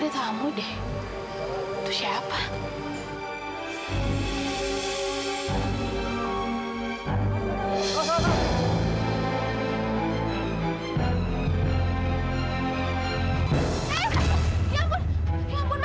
itu kan istrinya izan